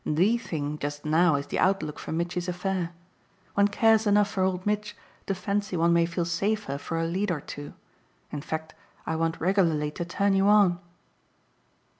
THE thing just now is the outlook for Mitchy's affair. One cares enough for old Mitch to fancy one may feel safer for a lead or two. In fact I want regularly to turn you on."